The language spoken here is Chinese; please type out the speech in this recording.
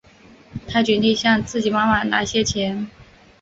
她决定向自己妈妈拿些钱